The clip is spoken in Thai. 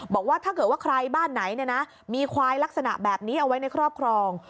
บอกว่าถ้าเกิดว่าใครบ้านไหนมีควายลักษณะแบบนี้เอาไว้ในครอบครอง